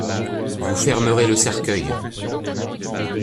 Vous fermerez le cercueil.